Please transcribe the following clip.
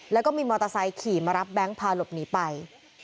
แล้วก็มีมอเตอร์ไซค์ขี่มารับแบงค์พาหลบหนีไป